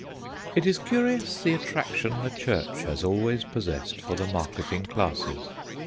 It is curious the attraction the Church has always possessed for the marketing classes.